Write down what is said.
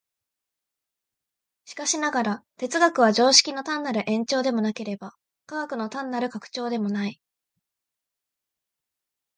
しかしながら、哲学は常識の単なる延長でもなければ、科学の単なる拡張でもない。